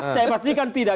saya pastikan tidak